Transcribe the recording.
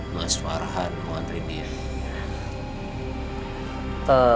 mas farhan mau anterin dia